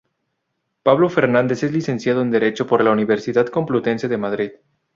Pablo Fernández es licenciado en Derecho por la Universidad Complutense de Madrid.